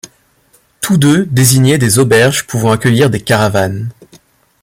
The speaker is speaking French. Tous deux désignaient des auberges pouvant accueillir des caravanes.